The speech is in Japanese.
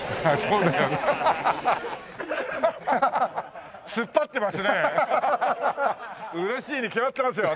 「うれしいに決まってますよ」